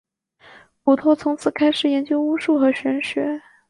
古托从此开始研究巫术和玄学。